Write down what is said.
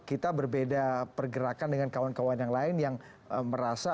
kita berbeda pergerakan dengan kawan kawan yang lain yang merasa